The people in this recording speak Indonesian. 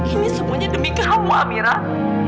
ini semuanya demi kamu amirah